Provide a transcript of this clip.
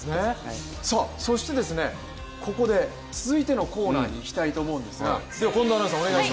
そしてここで続いてのコーナーにいきたいと思うんですが。